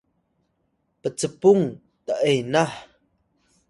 pcpung t’enah